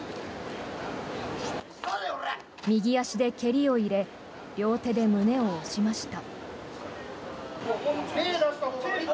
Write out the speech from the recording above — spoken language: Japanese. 右足で蹴りを入れ両手で胸を押しました。